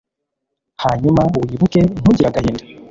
hanyuma, wibuke, ntugire agahinda